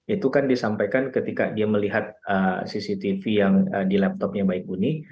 itu kan disampaikan ketika dia melihat cctv yang di laptopnya baik buni